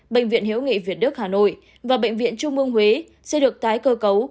bệnh viện hiếu nghị việt đức hà nội và bệnh viện trung ương huế sẽ được tái cơ cấu